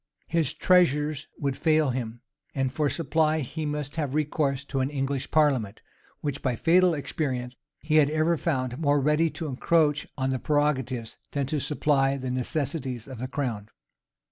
his treasures would fail him; and for supply he must have recourse to an English parliament, which, by fatal experience, he had ever found more ready to encroach on the prerogatives, than to supply the necessities of the crown.